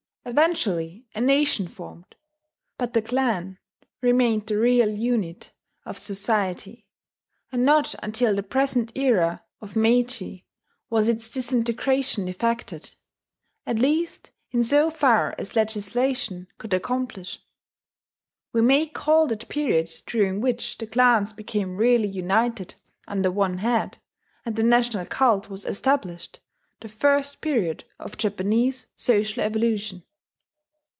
Eventually a nation formed; but the clan remained the real unit of society; and not until the present era of Meiji was its disintegration effected at least in so far as legislation could accomplish. We may call that period during which the clans became really united under one head, and the national cult was established, the First Period of Japanese Social Evolution.